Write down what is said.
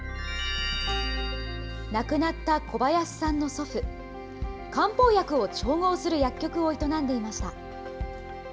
亡くなった小林さんの祖父、漢方薬を調合する薬局を営んでいました。